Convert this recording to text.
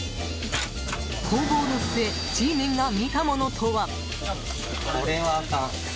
攻防の末Ｇメンが見たものとは。